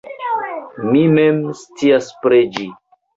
mi mem scias preĝi.